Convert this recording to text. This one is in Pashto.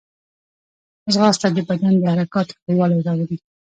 ځغاسته د بدن د حرکاتو ښه والی راولي